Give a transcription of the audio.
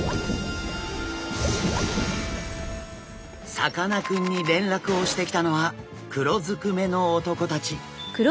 さかなクンに連絡をしてきたのは黒ずくめの男たち。